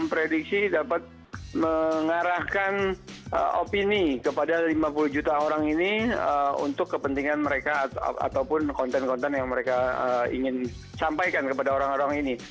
memprediksi dapat mengarahkan opini kepada lima puluh juta orang ini untuk kepentingan mereka ataupun konten konten yang mereka ingin sampaikan kepada orang orang ini